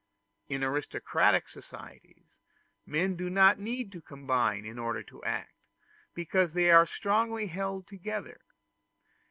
In aristocratic societies men do not need to combine in order to act, because they are strongly held together.